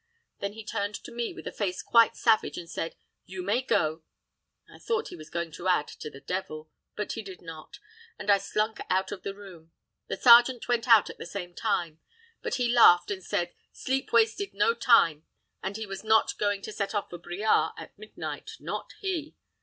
Then he turned to me, with a face quite savage, and said, 'You may go.' I thought he was going to add, 'to the devil;' but he did not, and I slunk out of the room. The sergeant went out at the same time; but he laughed, and said, 'Sleep wasted no time, and he was not going to set off for Briare at midnight, not he.'